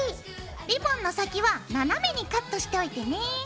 リボンの先は斜めにカットしておいてね。